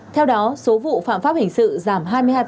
theo đó số vụ phạm pháp hình sự giảm hai mươi hai